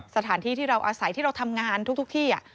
สถานที่ที่เราอาศัยที่เราทำงานทุกที่